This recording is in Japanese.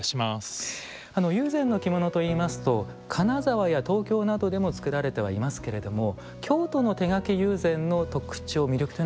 友禅の着物といいますと金沢や東京などでも作られてはいますけれども京都の手描き友禅の特徴魅力というのはどんなところなんでしょうか。